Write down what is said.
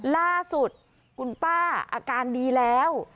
ล่าสุดคุณป้าอาการดีแล้ว